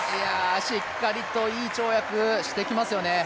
しっかりといい跳躍をしてきますよね。